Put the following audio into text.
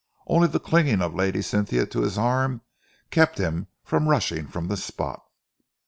Only the clinging of Lady Cynthia to his arm kept him from rushing from the spot.